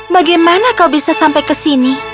bagaimana kau bisa sampai ke sini